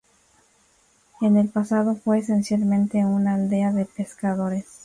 En el pasado fue esencialmente una aldea de pescadores.